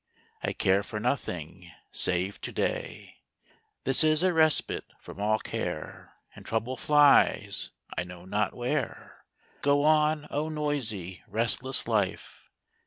I care for nothing save to day This is a respite from all care, And trouble flies I know not where. Go on, oh, noisy, restless life!